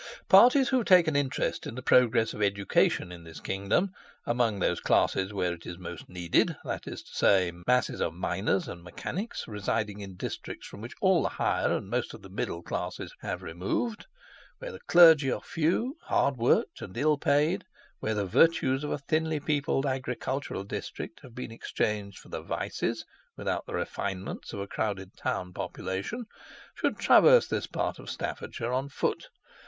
Parties who take an interest in the progress of education in this kingdom among those classes where it is most needed, that is to say, masses of miners and mechanics residing in districts from which all the higher and most of the middle classes have removed; where the clergy are few, hard worked, and ill paid; where the virtues of a thinly peopled agricultural district have been exchanged for the vices, without the refinements, of a crowded town population, should traverse this part of Staffordshire on foot.